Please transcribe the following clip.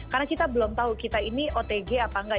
karena kita belum tahu kita ini otg apa nggak